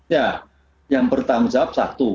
ya yang bertanggung jawab satu